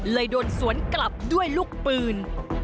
โดนสวนกลับด้วยลูกปืน